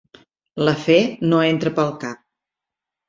La fe no entra pel cap.